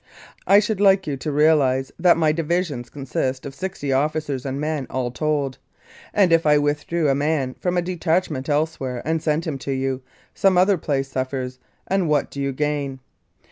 I should like you to realise that my division consists of sixty officers and men all told; and if I withdraw a man from a detachment elsewhere and send him to you, some other place suffers, and what do you gain